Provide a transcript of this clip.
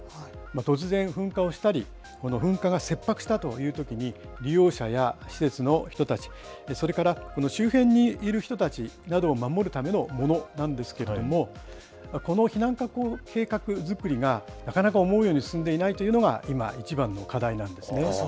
突然噴火をしたり、噴火が切迫したというときに、利用者や施設の人たち、それから周辺にいる人たちなどを守るためのものなんですけれども、この避難確保計画作りがなかなか思うように進んでいないというのが今、一番の課題なんですね。